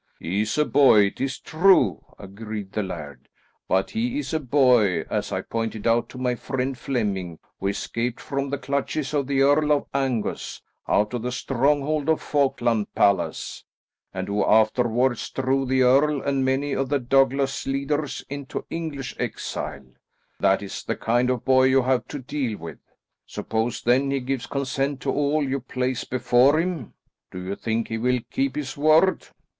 "He is a boy, it is true," agreed the laird, "but he is a boy, as I pointed out to my friend Flemming, who escaped from the clutches of the Earl of Angus, out of the stronghold of Falkland Palace, and who afterwards drove the earl and many of the Douglas leaders into English exile. That is the kind of boy you have to deal with. Suppose then, he gives consent to all you place before him? Do you think he will keep his word?"